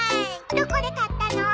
どこで買ったの？